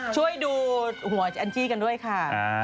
ช่วยดูหัวแอนจี้กันด้วยค่ะ